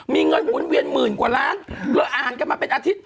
มีเงินหมุนเวียนหมื่นกว่าล้านเราอ่านกันมาเป็นอาทิตย